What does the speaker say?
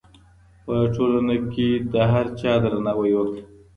په ټولنه کې د هر چا درناوی وکړه.